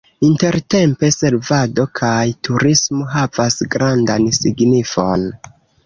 Intertempe servado kaj turismo havas grandan signifon.